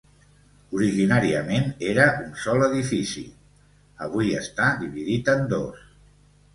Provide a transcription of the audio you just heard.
Originàriament era un sol edifici; avui està dividit en dos.